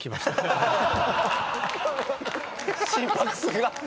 心拍数が。